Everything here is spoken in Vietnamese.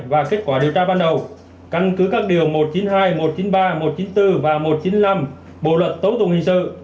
và kết quả điều tra ban đầu căn cứ các điều một trăm chín mươi hai một trăm chín mươi ba một trăm chín mươi bốn và một trăm chín mươi năm bộ luật tố tụng hình sự